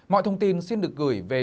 mọi thông tin xin được gửi về